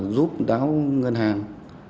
giúp đáo ngân hàng